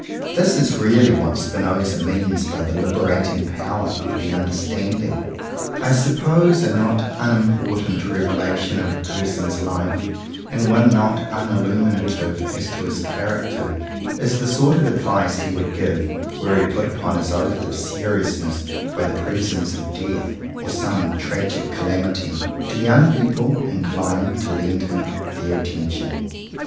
This is really what Spinoza means by the liberating power of the understanding. I suppose a not unimportant revelation of a person's life, and one not unilluminative as to his character, is the sort of advice he would give — were he put upon his oath of seriousness by the presence of death or some tragic calamity — to young people inclined to lend him their attention.